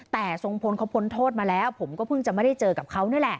แต่ทรงพลเขาพ้นโทษมาแล้วผมก็เพิ่งจะไม่ได้เจอกับเขานี่แหละ